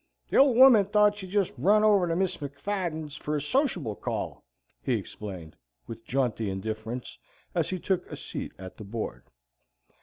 "The old woman thought she'd jest run over to Mrs. McFadden's for a sociable call," he explained, with jaunty indifference, as he took a seat at the board.